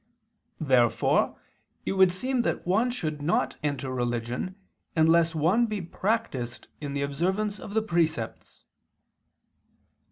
Therefore it would seem that one should not enter religion unless one be practiced in the observance of the precepts.